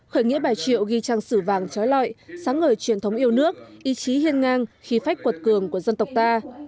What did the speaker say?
khởi nghĩa bà triệu ghi trang sử vàng trói lọi sáng ngời truyền thống yêu nước ý chí hiên ngang khí phách quật cường của dân tộc ta